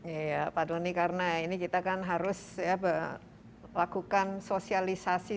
iya pak doni karena ini kita kan harus lakukan sosialisasi